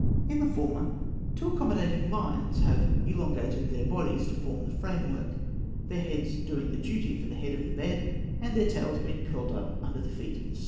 In the former, two accommodating lions have elongated their bodies to form the framework, their heads doing duty for the head of the bed, and their tails being curled up under the feet of the sleeper.